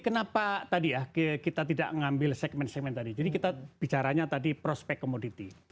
kenapa tadi ya kita tidak mengambil segmen segmen tadi jadi kita bicaranya tadi prospek komoditi